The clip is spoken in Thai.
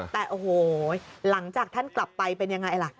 แต่โอ้โหหลังจากท่านกลับไปเป็นยังไงล่ะ